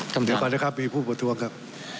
ขออธิบายนะครับมีผู้ประท้วงครับ